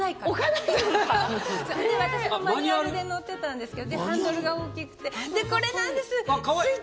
⁉私もマニュアルで乗ってたんですけどハンドルが大きくてでこれなんです。